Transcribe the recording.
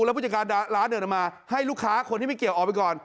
แล้วผู้จัดการร้านเดินออกมาให้ลูกค้าคนที่ไม่เกี่ยวออกไปก่อน